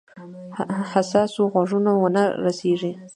حساسو غوږونو ونه رسیږي.